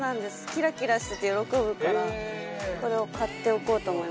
キラキラしてて喜ぶからこれを買っておこうと思いました。